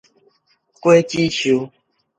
果子樹